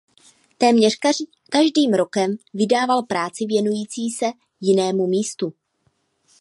Téměř každým rokem vydával práci věnující se jinému místu.